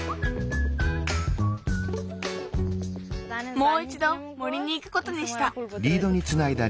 もういちど森にいくことにした。